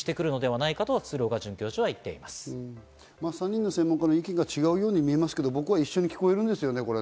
３人の専門家の意見が違うように見えますけど、僕は一緒に聞こえるんですよね。